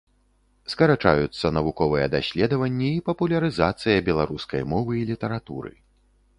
Скарачаюцца навуковыя даследаванні і папулярызацыя беларускай мовы і літаратуры.